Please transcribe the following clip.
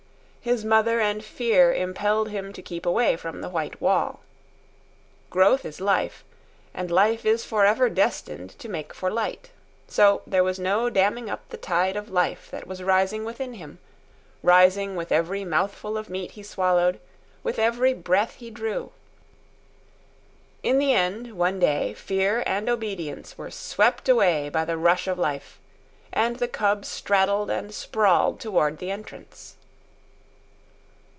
His mother and fear impelled him to keep away from the white wall. Growth is life, and life is for ever destined to make for light. So there was no damming up the tide of life that was rising within him—rising with every mouthful of meat he swallowed, with every breath he drew. In the end, one day, fear and obedience were swept away by the rush of life, and the cub straddled and sprawled toward the entrance.